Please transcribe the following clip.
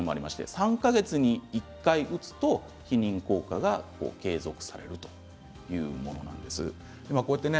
３か月に１回打つと避妊効果が継続されるというものなんですね。